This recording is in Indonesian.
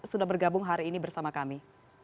sudah bergabung hari ini bersama kami